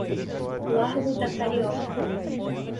Largo da Carioca